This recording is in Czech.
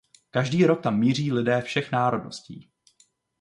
Každý rok tam míří lidé všech národností.